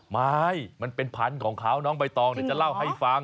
ไม่มันเป็นพันบาลของขาวน้องใบตองในเรื่องราวให้ฟัง